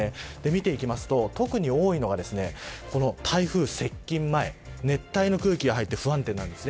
見ていきますと特に多いのが台風接近前熱帯の空気が入って不安定になります。